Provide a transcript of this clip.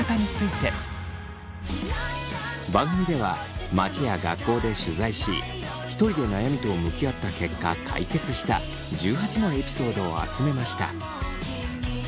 番組では街や学校で取材しひとりで悩みと向き合った結果解決した１８のエピソードを集めました。